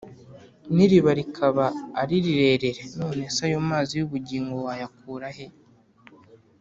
, n’iriba rikaba ari rirerire, none se ayo mazi y’ubugingo wayakura he?